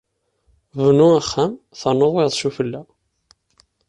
Bnu axxam, ternuḍ wayeḍ sufella.